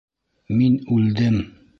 Мин үлдем!